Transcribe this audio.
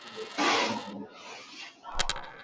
inazoeleza mawasiliano kati ya balozi